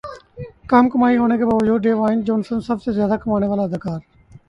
کم کمائی ہونے کے باوجود ڈیوائن جونسن سب سے زیادہ کمانے والے اداکار